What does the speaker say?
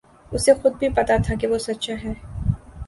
اسے خود بھی پتہ تھا کہ وہ سچا ہے